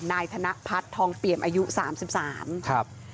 นายธนพัฒน์ทองเปรียมอายุ๓๓ครับ